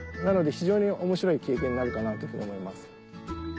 なので非常に面白い経験になるかなというふうに思います。